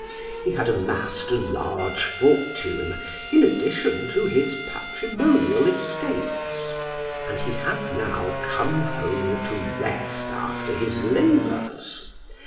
He had amassed a large fortune, in addition to his patrimonial estates, and he had now come home to rest after his labors.